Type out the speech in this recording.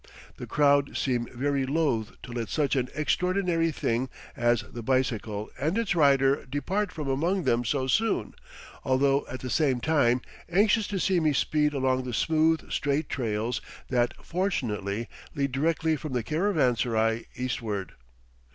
The crowd seem very loath to let such an extraordinary thing as the bicycle and its rider depart from among them so soon, although at the same time anxious to see me speed along the smooth, straight trails that fortunately lead directly from the caravanserai eastward.